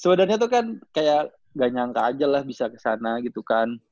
sebenarnya tuh kan kayak gak nyangka aja lah bisa kesana gitu kan